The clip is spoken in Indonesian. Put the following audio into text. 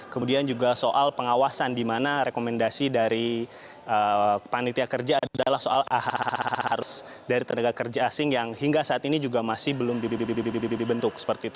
kemudian juga soal pengawasan di mana rekomendasi dari panitia kerja adalah soal harus dari tenaga kerja asing yang hingga saat ini juga masih belum dibentuk seperti itu